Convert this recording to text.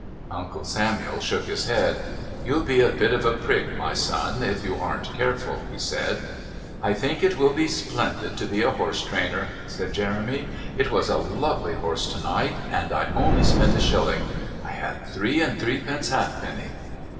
Uncle Samuel shook his head. "You'll be a bit of a prig, my son, if you aren't careful," he said. "I think it will be splendid to be a horse trainer," said Jeremy. "It was a lovely horse to night... And I only spent a shilling. I had three and threepence halfpenny."